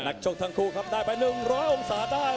ชกทั้งคู่ครับได้ไป๑๐๐องศาได้